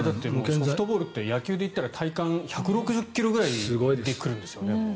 ソフトボールって野球で言ったら１６０ｋｍぐらいで来るんですよね。